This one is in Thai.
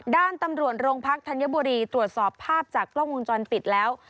ด้านตำรวจโรงพักธัญบุรีตรวจสอบภาพจากกล้องวงจรปิดแล้ว